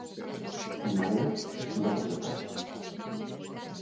En Marea estuda presentarse.